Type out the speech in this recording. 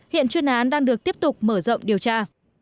hiện chuyên án đang được tiếp tục mở rộng điều tra